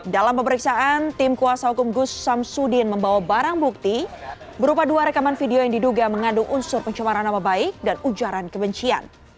dalam pemeriksaan tim kuasa hukum gus samsudin membawa barang bukti berupa dua rekaman video yang diduga mengandung unsur pencemaran nama baik dan ujaran kebencian